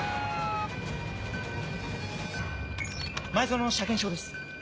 前薗の車検証です。